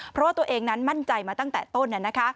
เพราะว่าตัวเองนั้นมั่นใจมาตั้งแต่ต้น